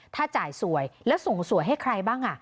ถ้าจ่ายสวยแล้วส่งสวยให้ใครบ้าง